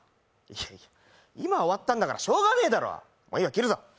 いや、今終わったんだからしょうがねぇだろ、切るぞ。